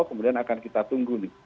kemudian akan kita tunggu nih